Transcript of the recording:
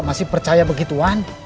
masih percaya begituan